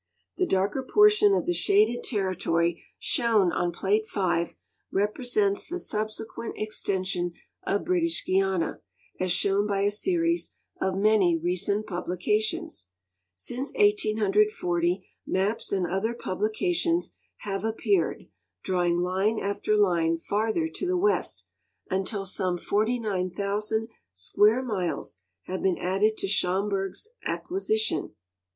The darker j)ortion of the shaded territoiy shown on Plate V represents the subsequent extension of British Guiana, as shown by a series of many recent publications. Since 1840, maps and other publica tions have appeared, drawing line after line farther to the west, until some 49,000 sfpiare miles have been added to Schomburgk's acquisition.